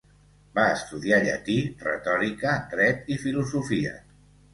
Va estudiar llatí, retòrica, dret i filosofia.